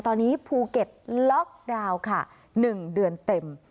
ตอนนี้ภูเก็ตล็อกดาวน์ค่ะ๑เดือนเต็ม